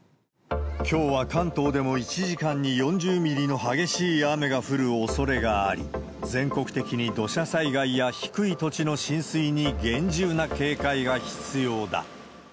きょうは関東でも１時間に４０ミリの激しい雨が降るおそれがあり、全国的に土砂災害や低い土地の浸水に厳重な警戒が必要だ。